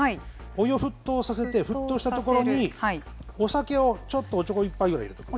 お湯を沸騰させて沸騰したところにお酒をちょっとおちょこ１杯ぐらい入れておく。